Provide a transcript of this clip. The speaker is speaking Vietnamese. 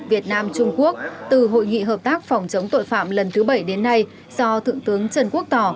việt nam trung quốc từ hội nghị hợp tác phòng chống tội phạm lần thứ bảy đến nay do thượng tướng trần quốc tỏ